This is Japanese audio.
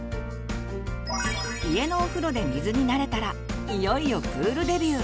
家のお風呂で水に慣れたらいよいよプールデビュー。